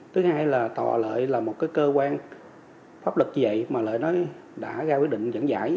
thứ hai là tòa lợi là một cơ quan pháp luật như vậy mà lợi nó đã ra quyết định giảng giải